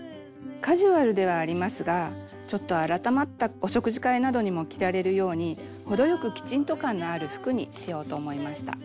カジュアルではありますがちょっと改まったお食事会などにも着られるように程よくきちんと感のある服にしようと思いました。